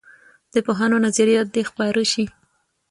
د پوهانو نظریات دې خپاره سي.